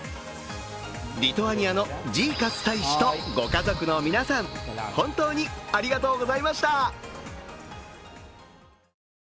リトアニアのジーカス大使とご家族の皆さん、本当にありがとうございました。